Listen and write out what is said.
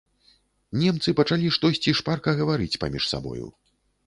Немцы пачалі штосьці шпарка гаварыць паміж сабою.